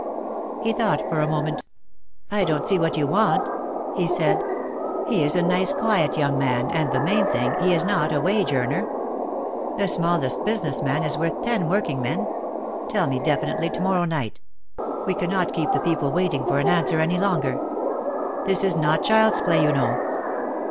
He thought for a moment. "I don't see what you want," he said. "He is a nice quiet young man and the main thing, he is not a wage earner. The smallest busi ness man is worth ten workingmen. Tell me definitely to morrow night. We cannot keep the people waiting for an answer any longer. This is not child's play, you know."